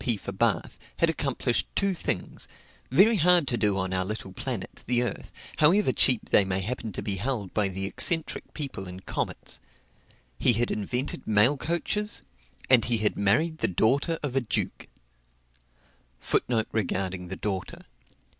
P. for Bath, had accomplished two things, very hard to do on our little planet, the Earth, however cheap they may happen to be held by the eccentric people in comets: he had invented mail coaches, and he had married the daughter of a duke.